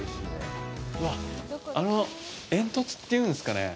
うわっ、あの煙突というんですかね。